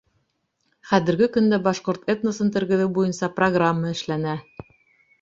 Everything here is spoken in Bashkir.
Хәҙерге көндә башҡорт этносын тергеҙеү буйынса программа эшләнә.